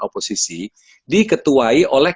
oposisi diketuai oleh